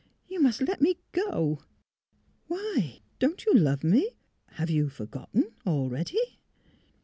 '' You must let me go!" '' Why? Don't you love mel Have you — for gotten, already?